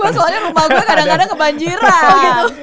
gue soalnya rumah gue kadang kadang kebanjiran gitu